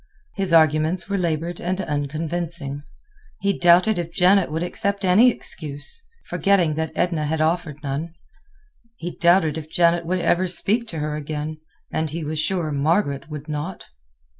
His arguments were labored and unconvincing. He doubted if Janet would accept any excuse—forgetting that Edna had offered none. He doubted if Janet would ever speak to her again, and he was sure Margaret would not.